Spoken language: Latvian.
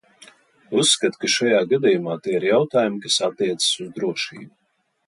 Uzskatu, ka šajā gadījumā tie ir jautājumi, kas attiecas uz drošību.